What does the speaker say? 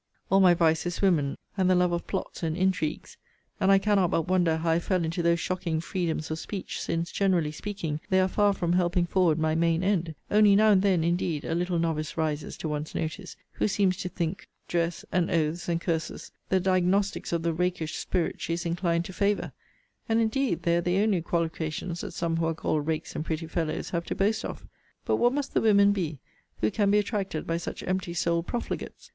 All my vice is women, and the love of plots and intrigues; and I cannot but wonder how I fell into those shocking freedoms of speech; since, generally speaking, they are far from helping forward my main end: only, now and then, indeed, a little novice rises to one's notice, who seems to think dress, and oaths, and curses, the diagnostics of the rakish spirit she is inclined to favour: and indeed they are the only qualifications that some who are called rakes and pretty fellows have to boast of. But what must the women be, who can be attracted by such empty souled profligates!